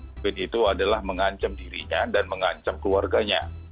covid itu adalah mengancam dirinya dan mengancam keluarganya